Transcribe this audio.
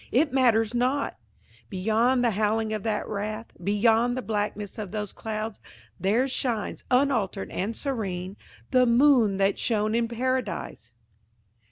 It matters not ! Beyond the howling of that wrath, beyond the blackness of those clouds, there shines, unaltered and serene, the moon that shone in Paradise."